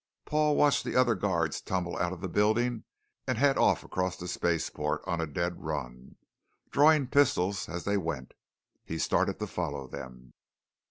Paul watched the other guards tumble out of the building and head off across the spaceport on a dead run, drawing pistols as they went. He started to follow them.